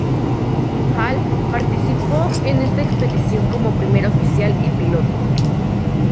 Hall participó en esa expedición como primer oficial y piloto.